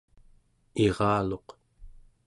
iraluq